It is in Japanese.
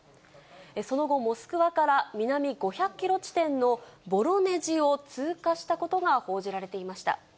その後、モスクワから南５００キロ地点のボロネジを通過したことが報じられていました。